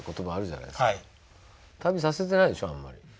旅させてないでしょあんまり。